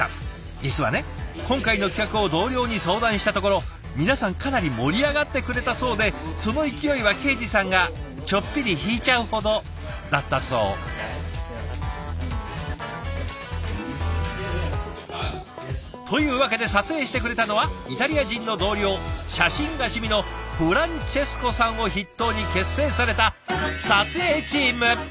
実はね今回の企画を同僚に相談したところ皆さんかなり盛り上がってくれたそうでその勢いは恵司さんがちょっぴり引いちゃうほどだったそう。というわけで撮影してくれたのはイタリア人の同僚写真が趣味のフランチェスコさんを筆頭に結成された撮影チーム！